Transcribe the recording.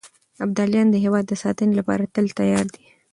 ابداليان د هېواد د ساتنې لپاره تل تيار دي.